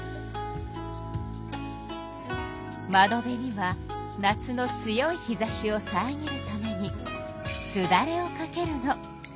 窓辺には夏の強い日ざしをさえぎるためにすだれをかけるの。